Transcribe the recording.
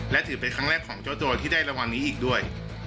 และถือเป็นครั้งแรกของเจ้าตัวที่ได้รางวัลนี้อีกด้วย